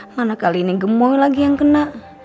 mana kali ini gemo lagi yang kena